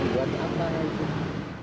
buat apa itu